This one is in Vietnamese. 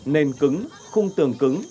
nền cứng khung tường cứng